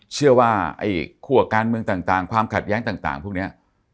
เชื่อว่าไอ้ขั่วการเมืองต่างความขัดแย้งต่างพวกนี้